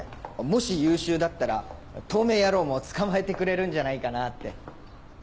もし優秀だったら透明野郎も捕まえてくれるんじゃないかなって。